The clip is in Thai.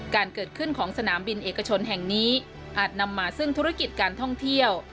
การเกิดขึ้นของสนามบินเอกชนแห่งนี้อาจนำมาซึ่งธุรกิจการท่องเที่ยว